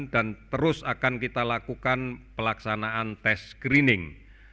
dan terus akan kita lakukan pelaksanaan test screening